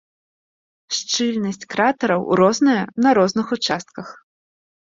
Шчыльнасць кратараў розная на розных участках.